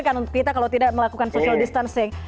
kan untuk kita kalau tidak melakukan social distancing